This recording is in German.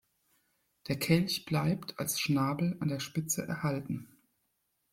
Der Kelch bleibt als Schnabel an der Spitze erhalten.